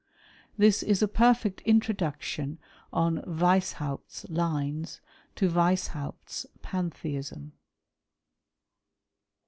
'' This is a perfect introduction on Weishaupt's lines to Weishaupt's Pantheism.